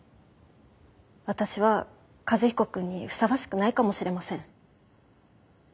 私は和彦君にふさわしくないかもしれません。